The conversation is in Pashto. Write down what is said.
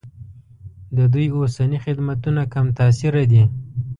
د دوی اوسني خدمتونه کم تاثیره دي.